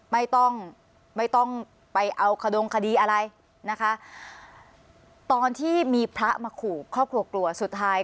ไม่ต้องไม่ต้องไปเอาขดงคดีอะไรนะคะตอนที่มีพระมาขู่ครอบครัวกลัวสุดท้าย